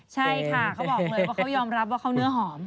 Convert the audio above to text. กล่องเลยว่าเค้ายอมรับว่าเค้าเนื้อหอม